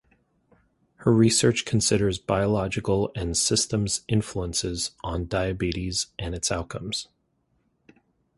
Her research considers biological and systems influences on diabetes and its outcomes.